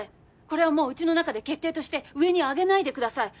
これはもううちの中で決定として上に上げないでください。